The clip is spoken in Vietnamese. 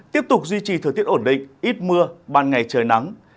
tiếp tục duy trì thời tiết ổn định ít mưa ban ngày trời nắng